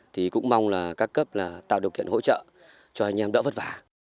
thì cũng mong là các cấp là tạo điều kiện hỗ trợ cho anh em đỡ vất vả